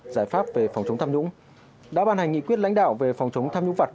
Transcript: giải pháp về phòng chống tham nhũng đã ban hành nghị quyết lãnh đạo về phòng chống tham nhũng vật